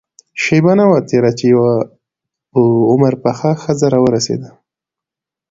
شېبه نه وه تېره چې يوه په عمر پخه ښځه راورسېده.